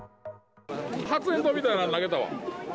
発煙筒みたいなの投げたわ。